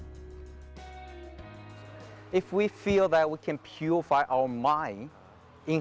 jika kita merasa kita bisa menjelaskan pikiran kita di rumah di kudus